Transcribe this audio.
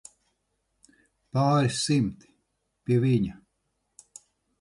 Pāris simti, pie viņa.